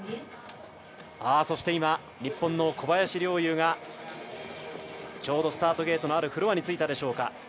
そして今、日本の小林陵侑がスタートゲートのあるフロアに着いたでしょうか。